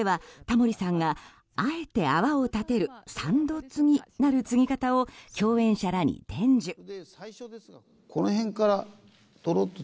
イベントではタモリさんがあえて泡を立てる３度注ぎなる注ぎ方を共演者らに伝授。